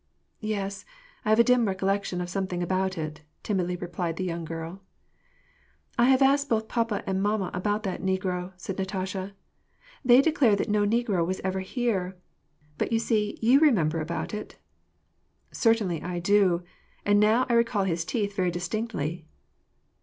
"Yes, I have a dim recollection of something about it," timidly replied the young girl, " I have asked both papa and mamma about that negro," said Natasha. " They declare that no negro was ever here. But you see you remember about it !" "Certainly I do ! And now I recall his teeth very distinctly."